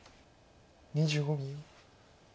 ２５秒。